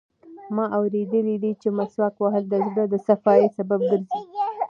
ما اورېدلي دي چې مسواک وهل د زړه د صفایي سبب ګرځي.